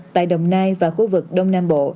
tại đồng nai và khu vực đông nam bộ